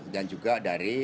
dan juga dari